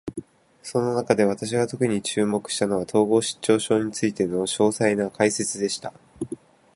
その中で、私が特に注目したのは、統合失調症についての詳細な解説でした。